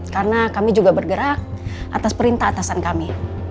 karena kami juga bergerak atas perintah atasan kami